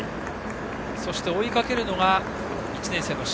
そして追いかけるのが佐久長聖、１年生の篠。